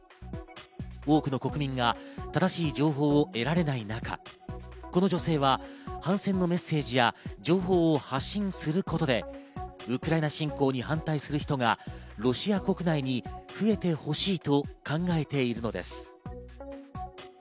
多くの国民が正しい情報を得られない中、この女性は反戦のメッセージや情報を発信することでウクライナ侵攻に反対する人がロシア国内に増えてほしいと考えているのです。